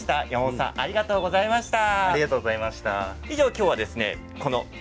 朝からありがとうございました。